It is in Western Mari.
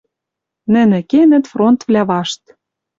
Нӹнӹ кенӹт фронтвлӓ вашт.